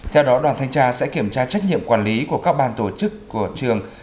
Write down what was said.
theo đó đoàn thanh tra sẽ kiểm tra trách nhiệm quản lý của các ban tổ chức của trường